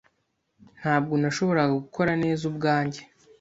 Ntabwo nashoboraga gukora neza ubwanjye.